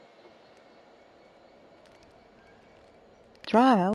خذ من حديث شؤونه وشجونه